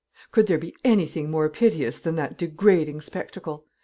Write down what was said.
Could there be anything more piteous than that degrading spectacle?